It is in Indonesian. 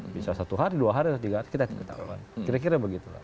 bisa satu hari dua hari tiga hari kita ketahuan kira kira begitu lah